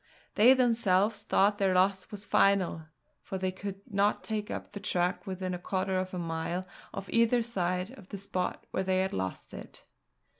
They themselves thought their loss was final, for they could not take up the track within a quarter of a mile of either side of the spot where they had lost it.